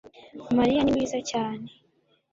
Mariya ni mwiza cyane